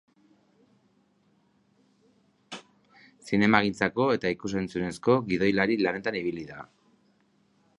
Zinemagintzako eta ikus-entzunezko gidoilari lanetan ibili da.